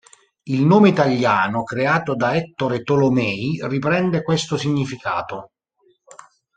Il nome italiano, creato da Ettore Tolomei, riprende questo significato.